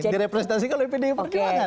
direpresentasikan oleh pdi perjuangan